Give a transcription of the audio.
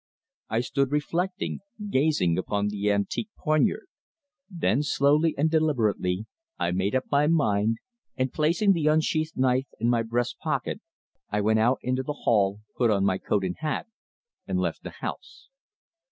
I stood reflecting, gazing upon the antique poignard. Then slowly and deliberately I made up my mind, and placing the unsheathed knife in my breast pocket I went out into the hall, put on my coat and hat, and left the house.